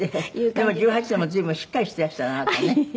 でも１８でも随分しっかりしていらしたのねあなたね」